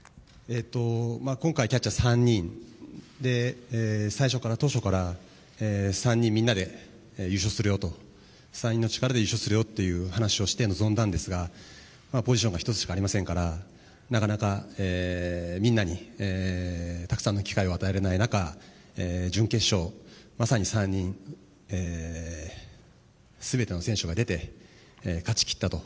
今回、キャッチャー３人で当初から３人みんなで優勝するよと３人の力で優勝するぞと臨んだんですがポジションが１つしかありませんからなかなか、みんなにたくさんの機会を与えられない中準決勝、まさに３人全ての選手が出て勝ち切ったと。